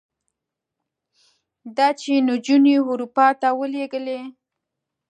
ده چې نجونې اروپا ته ولېږلې.